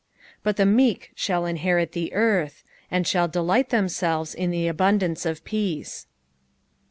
11 But the meek shall inherit the earth; and shall delight themselves in the abundance of peaCfe.